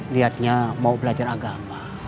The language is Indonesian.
lihatnya mau belajar agama